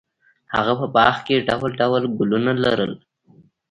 هغه په باغ کې ډول ډول ګلونه لرل.